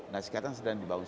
nah sekarang sedang dibangun